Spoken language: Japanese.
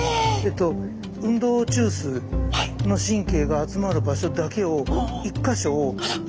運動中枢の神経が集まる場所だけを１か所を１回刺すんです。